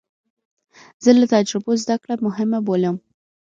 زه له تجربو زده کړه مهمه بولم.